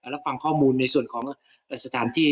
แล้วฟังข้อมูลในส่วนของสถานที่